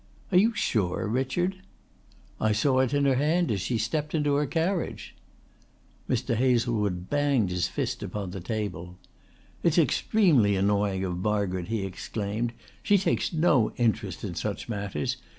"Are you sure, Richard?" "I saw it in her hand as she stepped into her carriage." Mr. Hazlewood banged his fist upon the table. "It's extremely annoying of Margaret," he exclaimed. "She takes no interest in such matters.